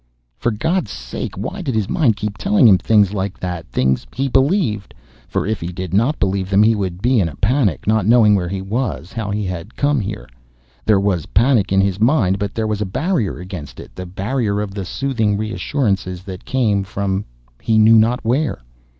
_ For God's sake why did his mind keep telling him things like that, things he believed? For if he did not believe them he would be in a panic, not knowing where he was, how he had come here. There was panic in his mind but there was a barrier against it, the barrier of the soothing reassurances that came from he knew not where.